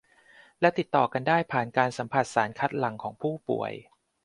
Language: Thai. และติดต่อกันได้ผ่านการสัมผัสสารคัดหลั่งของผู้ป่วย